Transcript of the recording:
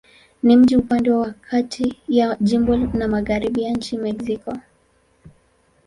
Ni mji upande wa kati ya jimbo na magharibi ya nchi Mexiko.